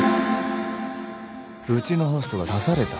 うちのホストが刺された。